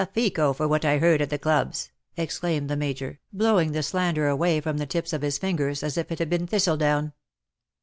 '^ Afico for what I heard at the clubs!" exclaimed the 3.Iajor, blowing the slander away from the tips of his fingers as if it had been thistledown.